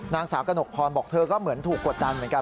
นางสาวกระหนกพรบอกเธอก็เหมือนถูกกดดันเหมือนกัน